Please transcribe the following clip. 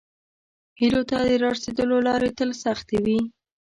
هیلو ته د راسیدلو لارې تل سختې وي.